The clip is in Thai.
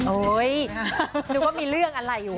นึกว่ามีเรื่องอะไรอยู่